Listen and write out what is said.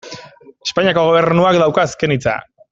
Espainiako Gobernuak dauka azken hitza.